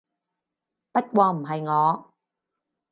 不過唔係我